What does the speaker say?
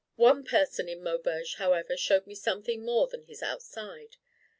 One person in Maubeuge, however, showed me something more than his outside.